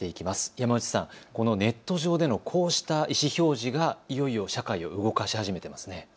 山内さん、このネット上でのこうした意思表示がいよいよ社会を動かし始めているんですね。